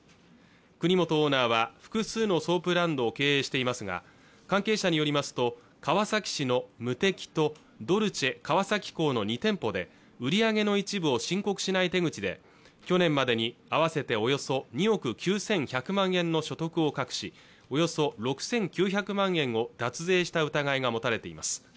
国本オーナーは複数のソープランド経営していますが関係者によりますと川崎市のＭＵＴＥＫＩとドルチェ川崎校の２店舗で売り上げの一部を申告しない手口で去年までに合わせておよそ２億９１００万円の所得を隠しおよそ６９００万円を脱税した疑いが持たれています